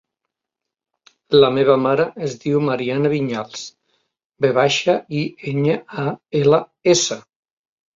La meva mare es diu Mariana Viñals: ve baixa, i, enya, a, ela, essa.